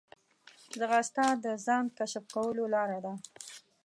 ځغاسته د ځان کشف کولو لاره ده